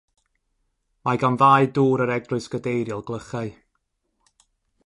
Mae gan ddau dŵr yr Eglwys Gadeiriol glychau.